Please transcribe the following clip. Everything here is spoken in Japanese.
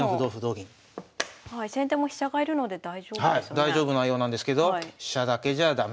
大丈夫なようなんですけど飛車だけじゃ駄目。